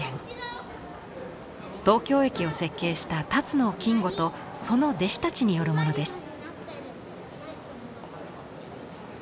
東京駅を設計した辰野金吾とその弟子たちによるものです。